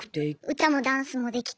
歌もダンスもできて。